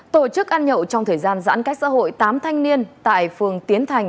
tổ chức ăn nhậu trong thời gian giãn cách xã hội tám thanh niên tại phường tiến thành